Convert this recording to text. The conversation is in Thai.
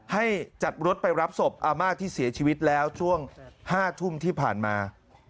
ให้จัดรถไปรับศพอาม่าที่เสียชีวิตแล้วช่วง๕ทุ่มที่ผ่านมา